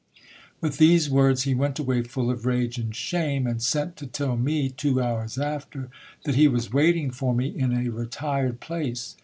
With these words, he went away full of rage and shame ; and sent to tell me, two hours after, that he was waiting for me, in a retired place.